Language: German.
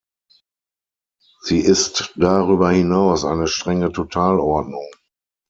Sie ist darüber hinaus eine strenge Totalordnung.